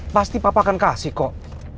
pasti papa akan kasih kok